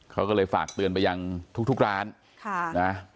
เขาก็เลยฝากเตือนไปยังทุกร้านค่ะนะ